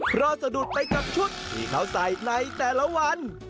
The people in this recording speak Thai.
เพราะสะดุดไปกับชุดที่เขาใส่ในแต่ละวัน